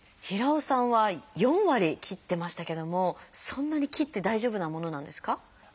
平尾さんは４割切ってましたけどもそんなに切って大丈夫なものなんですか？